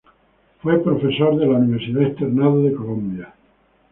Fue profesor de la Universidad Externado de Colombia.